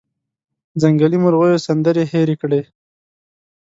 ځنګلي مرغېو سندرې هیرې کړلې